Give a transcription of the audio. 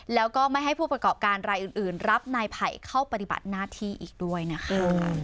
แล้วก็ไม่ให้ผู้ประกอบการรายอื่นรับนายไผ่เข้าปฏิบัติหน้าที่อีกด้วยนะคะ